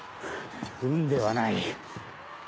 運ではない。